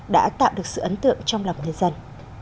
đã tạo được sự ấn tượng trong lòng nhân dân